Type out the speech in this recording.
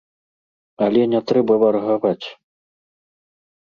Але не трэба варагаваць.